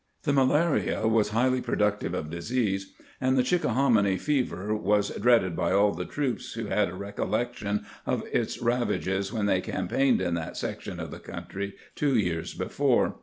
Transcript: The malaria was highly productive of disease, and the Chickahominy fever was dreaded by aU the troops who had a recollec tion of its ravages when they campaigned in that sec tion of the country two years before.